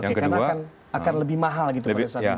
oke karena akan lebih mahal gitu pada saat itu